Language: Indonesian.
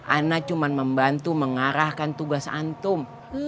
ana cuma membantu mengarahkan tugas antum